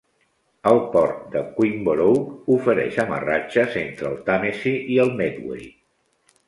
El port de Queenborough ofereix amarratges entre el Tàmesi i el Medway.